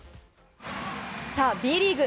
さあ、Ｂリーグ。